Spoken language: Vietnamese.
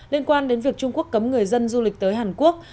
liên quan đến việc trung quốc cấm người dân du lịch tới hàn quốc